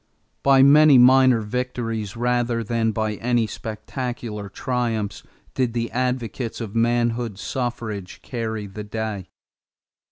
= By many minor victories rather than by any spectacular triumphs did the advocates of manhood suffrage carry the day.